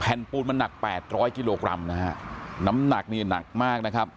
แผ่นปูนมันหนัก๘๐๐กิโลกรัมนะฮะน้ำหนักนี่หนักมากนะครับ